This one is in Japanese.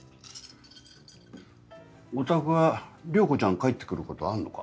おたくは良子ちゃん帰ってくることあるのか？